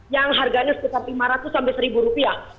yang harganya sekitar lima ratus sampai seribu rupiah